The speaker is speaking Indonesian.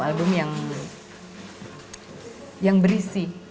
album album yang berisi